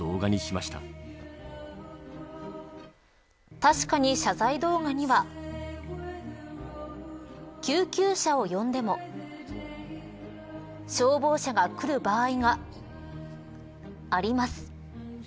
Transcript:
確かに、謝罪動画には。救急車を呼んでも消防車が来る場合があります。